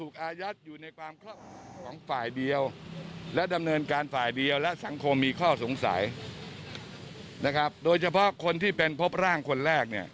คนเดียวและสังคมมีข้อสงสัยนะครับโดยเฉพาะคนที่เป็นพบร่างคนแรกเนี่ย